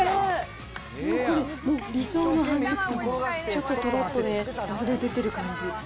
もうこれ、理想の半熟、ちょっととろっとあふれ出てる感じ。